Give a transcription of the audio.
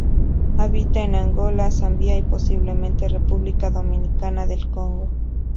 Habita en Angola, Zambia y posiblemente República Democrática del Congo.